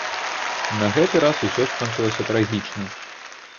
На гэты раз усё скончылася трагічна.